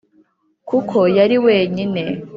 kuko yari wenyine